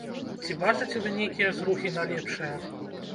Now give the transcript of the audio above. Ці бачыце вы нейкія зрухі на лепшае?